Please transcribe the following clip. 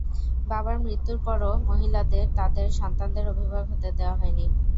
বাবার মৃত্যুর পরও মহিলাদের তাদের সন্তানদের অভিভাবক হতে দেওয়া হয়নি।